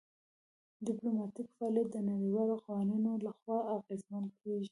ډیپلوماتیک فعالیت د نړیوالو قوانینو لخوا اغیزمن کیږي